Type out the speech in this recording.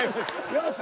よし！